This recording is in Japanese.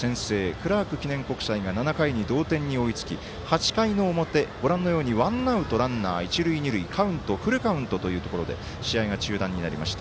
クラーク記念国際が７回に同点に追いつき、８回の表ワンアウト、ランナー、一塁二塁カウント、フルカウントで試合が中断になりました。